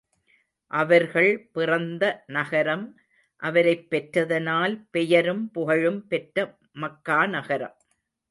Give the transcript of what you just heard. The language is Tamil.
அவர்கள் பிறந்த நகரம், அவரைப் பெற்றதனால் பெயரும் புகழும் பெற்ற மக்கா நகரம்.